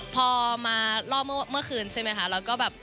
พอมาลองเมื่อคืนนะคะเราก็แบบ